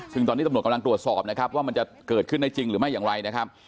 ซึ่งตอนนี้ตำรวจกำลังตรวจสอบนะครับว่ามันจะเกิดขึ้นได้จริงหรือไม่อย่างไรนะครับ